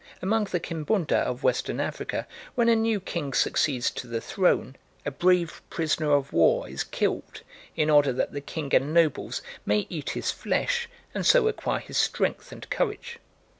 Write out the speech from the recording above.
Among the Kimbunda of Western Africa, when a new king succeeds to the throne, a brave prisoner of war is killed in order that the king and nobles may eat his flesh, and so acquire his strength and courage.